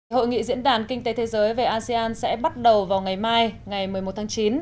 hội nghị diễn đàn kinh tế thế giới về asean sẽ bắt đầu vào ngày mai ngày một mươi một tháng chín